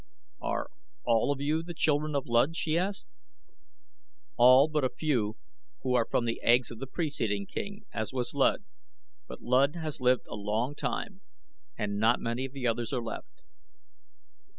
"Are all of you the children of Luud?" she asked. "All but a few, who are from the eggs of the preceding king, as was Luud; but Luud has lived a long time and not many of the others are left."